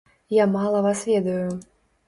Я мала вас ведаю.